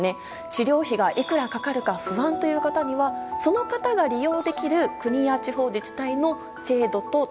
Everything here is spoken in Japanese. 治療費がいくらかかるか不安という方にはその方が利用できる国や地方自治体の。